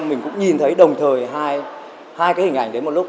mình cũng nhìn thấy đồng thời hai cái hình ảnh đấy một lúc